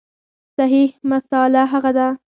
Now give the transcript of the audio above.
صحیح مسأله هغه ده